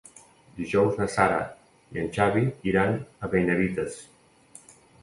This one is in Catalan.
Dijous na Sara i en Xavi iran a Benavites.